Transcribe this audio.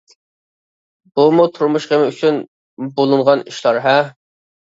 بۇمۇ تۇرمۇش غېمى ئۈچۈن بولۇنغان ئىشلار ھە!